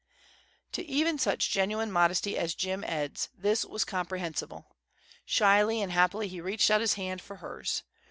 To even such genuine modesty as Jim Ed's this was comprehensible. Shyly and happily he reached out his hand for hers.